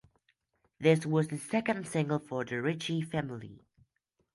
This was the second single for The Ritchie Family.